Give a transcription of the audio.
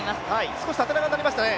少し縦長になりましたね